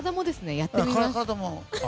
やってみます。